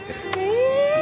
え！